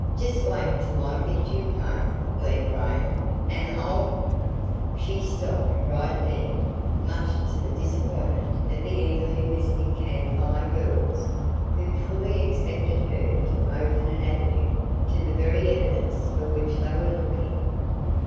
Just wait till I get you home, Glen Graham, and I'll " She stopped right there, much to the disappointment of the eagerly listening Camp Fire Girls, who fully expected her to open an avenue to the very evidence for which they were looking.